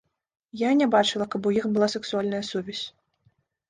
Я не бачыла, каб у іх была сексуальная сувязь.